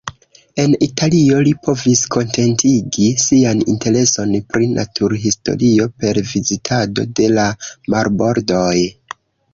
En Italio, li povis kontentigi sian intereson pri naturhistorio per vizitado de la marbordoj.